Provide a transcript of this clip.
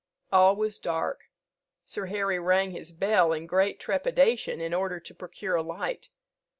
All was dark: Sir Harry rang his bell in great trepidation, in order to procure a light.